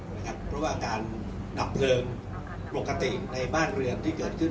เพราะว่าการดับเพลิงปกติในบ้านเรือนที่เกิดขึ้น